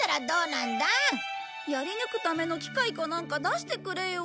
やり抜くための機械かなんか出してくれよ。